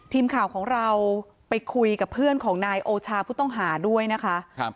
ทีมข่าวของเราไปคุยกับเพื่อนของนายโอชาผู้ต้องหาด้วยนะคะ